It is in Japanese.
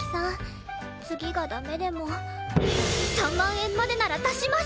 次がダメでも３万円までなら出します！